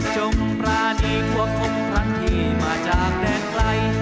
จงประณีพวกผมพลังที่มาจากแดงไกล